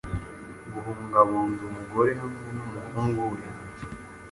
Guhunga Bondumugore hamwe numuhungu we